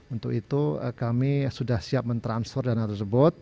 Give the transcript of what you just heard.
untuk itu kami sudah siap mentransfer dana tersebut